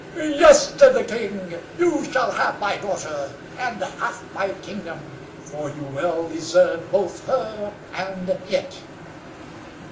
"Yes!" said the king; "you shall have my daughter, and half my kingdom, for you well deserve both her and it."